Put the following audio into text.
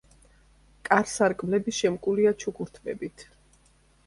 კარ-სარკმლები შემკულია ჩუქურთმებით.